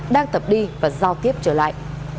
đang tập đi và giao tiếp trở lại